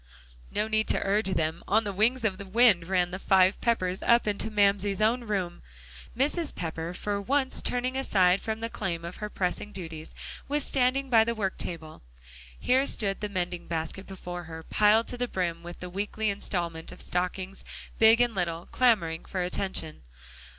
No need to urge them. On the wings of the wind ran the five Peppers up into Mamsie's own room. Mrs. Pepper for once turning aside from the claim of her pressing duties, was standing by the work table. Here stood the mending basket before her, piled to the brim with the weekly installment of stockings big and little, clamoring for attention.